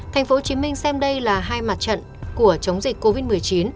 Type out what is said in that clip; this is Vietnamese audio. tp hcm xem đây là hai mặt trận của chống dịch covid một mươi chín